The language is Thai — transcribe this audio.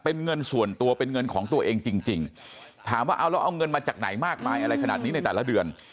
เป็นเงินส่วนตัวเป็นเงินของตัวเองจริงถามว่าเอาแล้วเอาเงินมาจากไหนมากมายอะไรขนาดนี้ในแต่ละเดือน